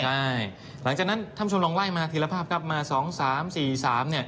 หลังจากฉันธรรมชมล้อยมาทีละฝับกลับมา๒๓เนี่ย